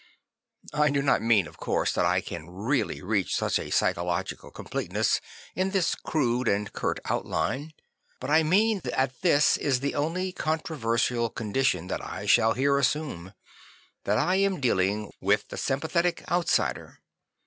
I do not mean, of course, that I can realJy reach such a pyschological completeness in this crude and curt outline. But I mean that this is the 'Ihe Problem of St. Francis I I on1y controversial condition that I shall here assume; that I am dealing with the sympathetic outsider.